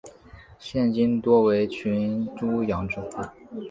现今多为群猪养殖户。